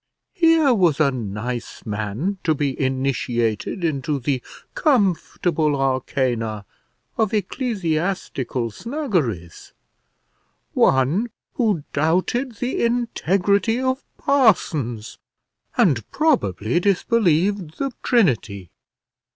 Here was a nice man to be initiated into the comfortable arcana of ecclesiastical snuggeries; one who doubted the integrity of parsons, and probably disbelieved the Trinity!